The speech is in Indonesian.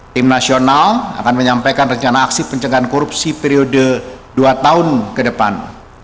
tim nasional akan menyampaikan rencana aksi pencegahan korupsi periode dua tahun ke depan